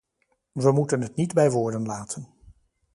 We moeten het niet bij woorden laten.